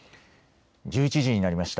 １１時になりました。